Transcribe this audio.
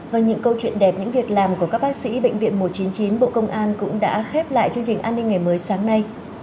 và những câu chuyện đẹp những việc làm của các bác sĩ bệnh viện một trăm chín mươi chín bộ công an cũng đã khép lại chương trình an ninh ngày mới sáng nay